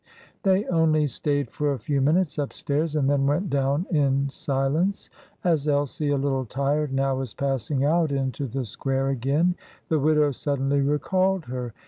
They only stayed for a few minutes upstairs, and then went down in silence. As Elsie, a little tired now, was passing out into the square again the widow suddenly recalled her.